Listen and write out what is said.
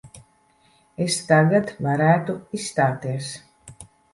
Es tagad varētu izstāties.